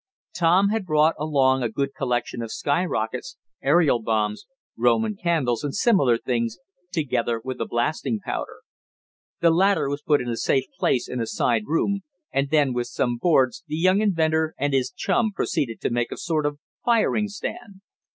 Tom had brought along a good collection of sky rockets, aerial bombs, Roman candles and similar things, together with the blasting powder. The latter was put in a safe place in a side room, and then, with some boards, the young inventor and his chum proceeded to make a sort of firing stand.